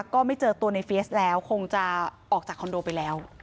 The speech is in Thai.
ก็ไม่เจอตัวในเฟียสแล้วคงจะออกจากคอนโดไปแล้ว